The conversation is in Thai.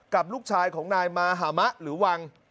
กับลูกชายของนายมาหามะหรือวัง